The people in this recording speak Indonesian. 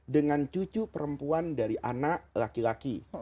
dengan cucu perempuan dari anak laki laki